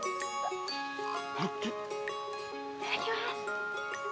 いただきます。